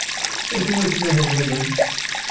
D acu ay yettmahal baba-m?